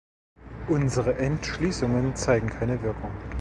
Unsere Entschließungen zeigen keine Wirkung.